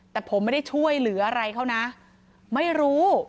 แต่ผมไม่ได้ช่วยเหลืออะไรเขานะไม่รู้